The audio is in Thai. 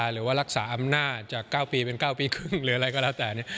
หรือว่ารักษาอำนาจจาก๙ปีเป็น๙ปีครึ่งหรืออะไรก็แล้วแต่